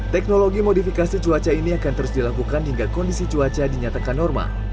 teknologi modifikasi cuaca ini akan terus dilakukan hingga kondisi cuaca dinyatakan normal